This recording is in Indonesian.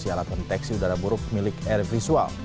sialatan teksi udara buruk milik air visual